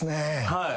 はい。